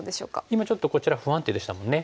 今ちょっとこちら不安定でしたもんね。